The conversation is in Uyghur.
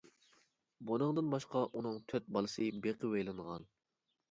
بۇنىڭدىن باشقا، ئۇنىڭ تۆت بالىسى بېقىۋېلىنغان.